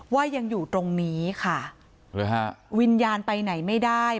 ว่ายังอยู่ตรงนี้ค่ะหรือฮะวิญญาณไปไหนไม่ได้